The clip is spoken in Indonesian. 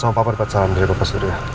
mama sama papa dapat salam dari papa surya